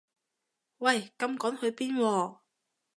喂咁趕去邊喎